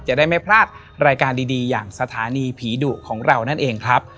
จะได้ไม่พลาดรายการดีอย่างสถานีผีดุของเรานั่นเองครับ